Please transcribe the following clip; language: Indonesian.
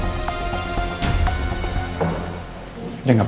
udah enak tuh kabarnya ya